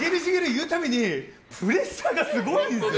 言うたびにプレッシャーがすごいんですよ。